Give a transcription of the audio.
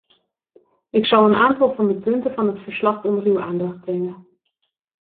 Ik zal een aantal van de punten van het verslag onder uw aandacht brengen.